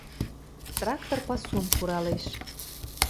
Трактор пасум куралеш